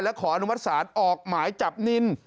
และขออนุมัติศาลออกหมายจับนิน